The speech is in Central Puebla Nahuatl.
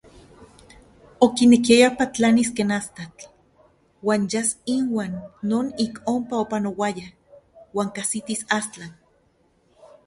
Okinekiaya patlanis ken astatl uan yas inuan non ik onpa opanoayaj uan kajsitis Astlan.